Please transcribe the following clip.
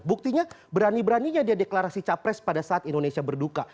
buktinya berani beraninya dia deklarasi capres pada saat indonesia berduka